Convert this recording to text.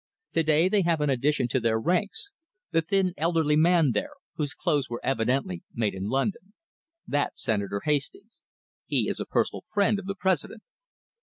To day they have an addition to their ranks the thin, elderly man there, whose clothes were evidently made in London. That's Senator Hastings. He is a personal friend of the President.